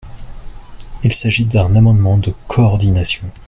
Il s’agit d’un amendement de coordination.